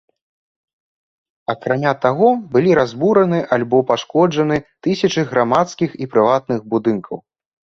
Акрамя таго, былі разбураны альбо пашкоджаны тысячы грамадскіх і прыватных будынкаў.